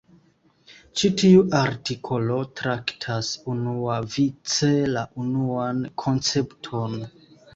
Ĉi tiu artikolo traktas unuavice la unuan koncepton.